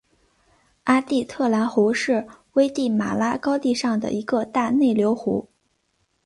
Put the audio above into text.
阿蒂特兰湖是危地马拉高地上的一个大内流湖。